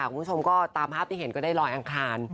คุณผู้ชมก็ตามภาพที่เห็นก็ได้ลอยอังคาร